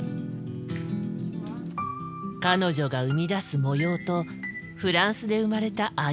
彼女が生み出す模様とフランスで生まれた藍色。